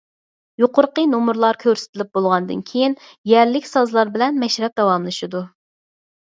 يۇقىرىقى نومۇرلار كۆرسىتىلىپ بولغاندىن كېيىن يەرلىك سازلار بىلەن مەشرەپ داۋاملىشىدۇ.